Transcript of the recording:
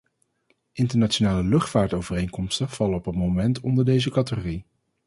Internationale luchtvaartovereenkomsten vallen op het moment onder deze categorie.